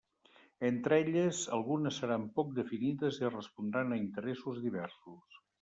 Entre elles, algunes seran poc definides i respondran a interessos diversos.